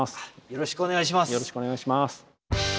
よろしくお願いします。